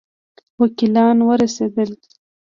وکیلان ورسېدل.